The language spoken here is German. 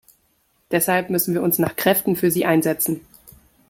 Deshalb müssen wir uns nach Kräften für sie einsetzen.